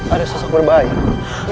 ada sosok berbahaya